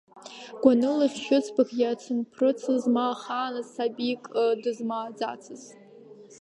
Гәаныла хьшьыцбак иацымԥрыцыз, ма ахааназ сабик дызмааӡацыз.